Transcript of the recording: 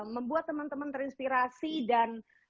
membuat teman teman terinspirasi dan